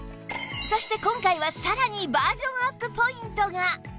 そして今回はさらにバージョンアップポイントが